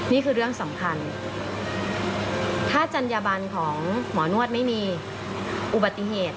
นี่คือเรื่องสำคัญถ้าจัญญบันของหมอนวดไม่มีอุบัติเหตุ